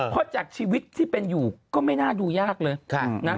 เพราะจากชีวิตที่เป็นอยู่ก็ไม่น่าดูยากเลยนะ